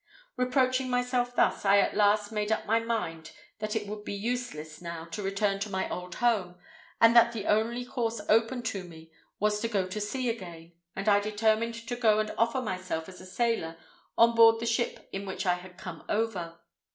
"Reproaching myself thus, I at last made up my mind that it would be useless now to return to my old home, and that the only course open to me was to go to sea again, and I determined to go and offer myself as a sailor on board the ship in which I had come over.